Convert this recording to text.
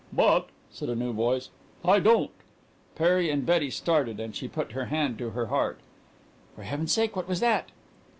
"But," said a new voice, "I don't." Perry and Betty started, and she put her hand to her heart. "For Heaven's sake, what was that?"